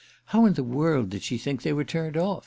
How in the world did she think they were turned on?